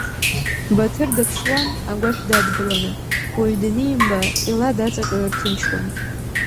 Баҭыр дыԥшуан, агәашә дадгыланы, уаҩ данимба, ила даҵаҟьо ирҭынчуан.